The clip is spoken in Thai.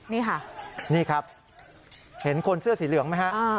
นี่ค่ะนี่ครับเห็นคนเสื้อสีเหลืองไหมฮะ